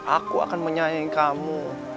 aku akan menyayangi kamu